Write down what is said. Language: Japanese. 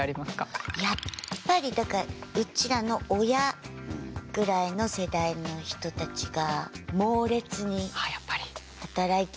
やっぱりだからうちらの親ぐらいの世代の人たちがあやっぱり。